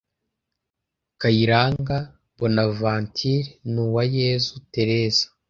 kayiranga bonaventure n’uwayezu therese